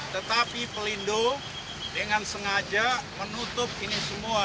tetapi pelindo dengan sengaja menutup ini semua